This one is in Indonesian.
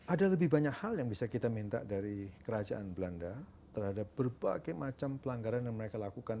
ada lebih banyak hal yang bisa kita minta dari kerajaan belanda terhadap berbagai macam pelanggaran yang mereka lakukan